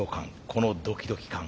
このドキドキ感。